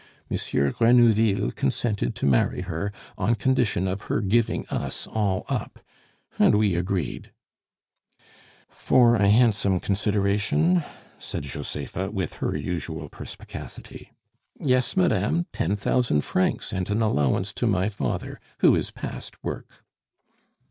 Monsieur Grenouville consented to marry her, on condition of her giving us all up, and we agreed " "For a handsome consideration?" said Josepha, with her usual perspicacity. "Yes, madame, ten thousand francs, and an allowance to my father, who is past work."